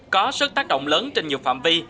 có sức tác động lớn trên nhiều phạm vi